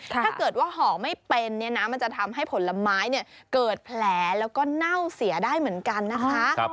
ถ้าเกิดว่าห่อไม่เป็นเนี่ยนะมันจะทำให้ผลไม้เกิดแผลแล้วก็เน่าเสียได้เหมือนกันนะคะ